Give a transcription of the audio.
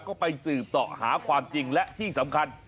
ก็ไปสืบเสาะหาความจริงและที่สำคัญ